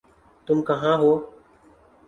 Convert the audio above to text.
تم کہاں ہو؟